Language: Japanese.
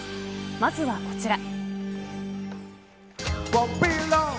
まずはこちら。